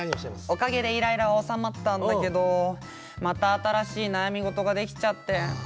おかげでイライラは収まったんだけどまた新しい悩み事ができちゃって。